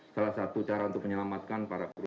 salah satu cara untuk menyelamatkan para guru